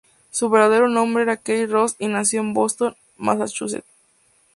Su verdadero nombre era Keith Ross, y nació en Boston, Massachusetts.